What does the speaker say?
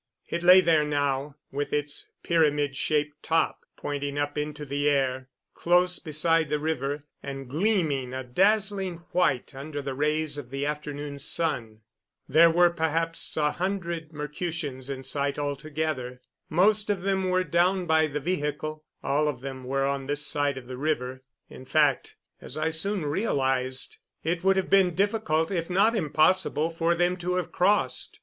It lay there now, with its pyramid shaped top pointing up into the air, close beside the river, and gleaming a dazzling white under the rays of the afternoon sun. There were perhaps a hundred Mercutians in sight altogether. Most of them were down by the vehicle; all of them were on this side of the river. In fact, as I soon realized, it would have been difficult, if not impossible, for them to have crossed.